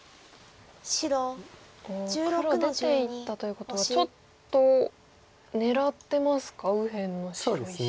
黒出ていったということはちょっと狙ってますか右辺の白石を。